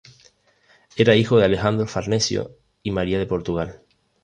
Era hijo de Alejandro Farnesio y María de Portugal.